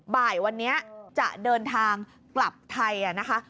บ่ายวันนี้จะเดินทางกลับไทยนะคะ